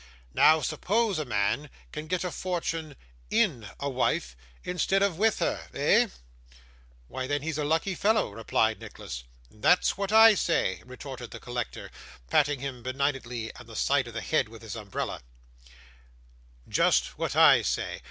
Now suppose a man can get a fortune IN a wife instead of with her eh?' 'Why, then, he's a lucky fellow,' replied Nicholas. 'That's what I say,' retorted the collector, patting him benignantly on the side of the head with his umbrella; 'just what I say.